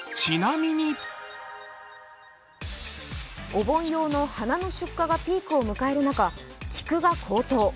お盆用の花の出荷がピークを迎える中、菊が高騰。